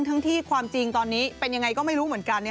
ทั้งที่ความจริงตอนนี้เป็นยังไงก็ไม่รู้เหมือนกัน